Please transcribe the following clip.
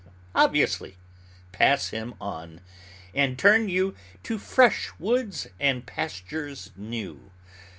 Obviously, pass him on; and turn you "to fresh woods and pastures new."